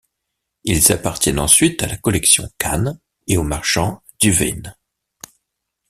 Ils appartiennent ensuite à la collection Kann et aux marchands Duveen.